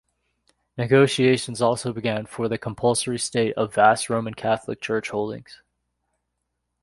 Negotiations also began for the compulsory sale of vast Roman Catholic Church holdings.